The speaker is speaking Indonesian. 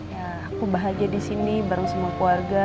ya aku bahagia disini bareng semua keluarga